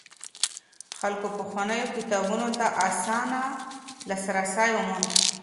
خلکو پخوانيو کتابونو ته اسانه لاسرسی وموند.